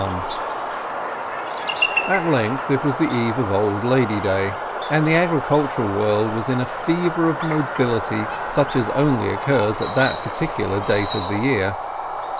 LI At length it was the eve of Old Lady Day, and the agricultural world was in a fever of mobility such as only occurs at that particular date of the year.